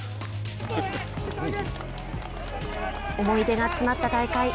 思い出が詰まった大会。